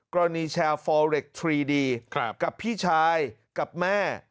กรณีแชร์ฟอเร็กซ์ทรีดีครับกับพี่ชายกับแม่